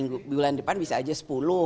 sekarang lima bulan depan bisa saja sepuluh